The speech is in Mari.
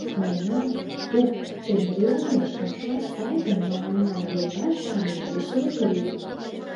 Мемнан туп шеҥгелне паша сай гын, мыланна, йолташ-шамыч, йӧсӧ ок лий.